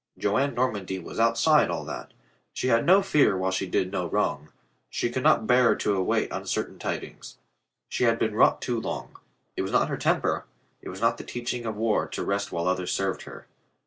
Joan Nor mandy was outside all that. She had no fear while she did no wrong. She could not bear to await un certain tidings. She had been wrought too long. It was not her temper; it was not the teaching of war to rest while others served her.